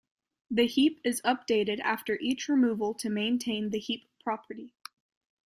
The heap is updated after each removal to maintain the heap property.